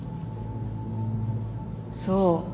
そう。